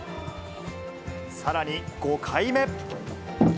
さらに５回目。